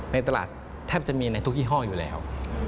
ในตลาดแทบจะมีในทุกยี่ห้ออยู่แล้ว